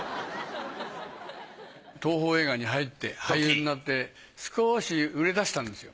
東宝映画に入って俳優になって少し売れだしたんですよ。